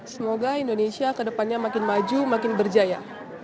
semoga indonesia kedepannya makin maju makin berjaya